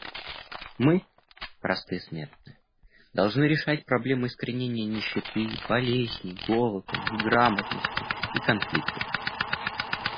Мы, простые смертные, должны решать проблемы искоренения нищеты, болезней, голода, неграмотности и конфликтов.